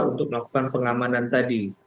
untuk melakukan pengamanan tadi